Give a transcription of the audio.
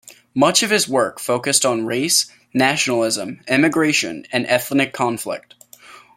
Much of his work focused on race, nationalism, immigration, and ethnic conflict.